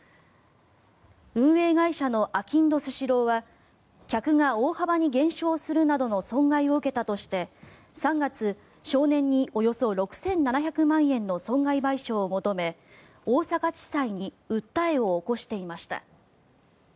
運営会社のあきんどスシローは客が大幅に減少するなどの損害を受けたとして３月、少年におよそ６７００万円の損害賠償を求め大阪地裁に訴えを起こしていました。